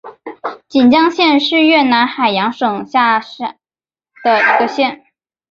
锦江县是越南海阳省下辖的一个县。